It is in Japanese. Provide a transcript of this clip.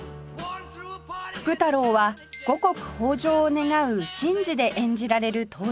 福太郎は五穀豊穣を願う神事で演じられる登場人物です